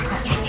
jangan lagi aja